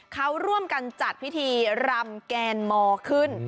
เขาร่วมกันจัดพิธีรำแกนมอขึ้น